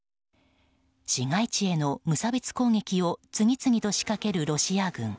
市街地への無差別攻撃を次々と仕掛けるロシア軍。